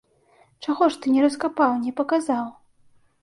Чаго ж ты не раскапаў, не паказаў?